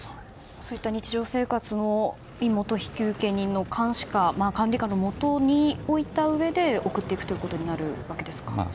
そういった日常生活の身元引受人の管理下のもとに置いたうえで送っていくということになるわけですか。